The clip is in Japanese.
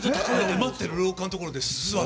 待ってる廊下のところで。